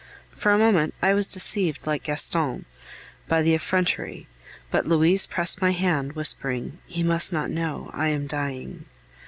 For a moment I was deceived, like Gaston, by the effrontery; but Louise pressed my hand, whispering: "He must not know; I am dying."